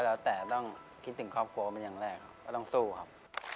แล้วแต่ต้องคิดถึงครอบครัวเป็นอย่างแรกครับก็ต้องสู้ครับ